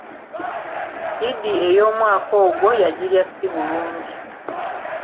Idi ey'omwaka ogwo yagirya ssi bulungi.